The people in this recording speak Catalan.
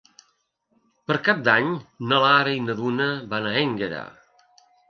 Per Cap d'Any na Lara i na Duna van a Énguera.